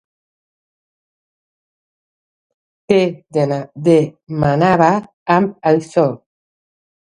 Què demanaven amb això?